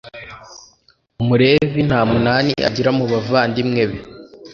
umulevi nta munani agira mu bavandimwe be: